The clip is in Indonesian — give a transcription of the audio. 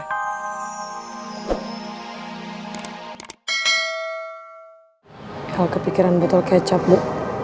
hal kepikiran botol kecap bu